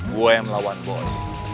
gue melawan boy